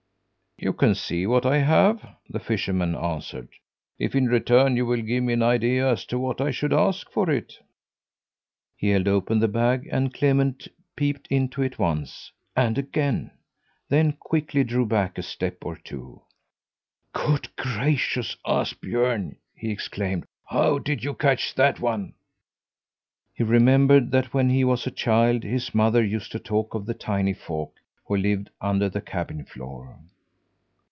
"You can see what I have," the fisherman answered, "if in return you will give me an idea as to what I should ask for it." He held open the bag and Clement peeped into it once and again then quickly drew back a step or two. "Good gracious, Ashbjörn!" he exclaimed. "How did you catch that one?" He remembered that when he was a child his mother used to talk of the tiny folk who lived under the cabin floor.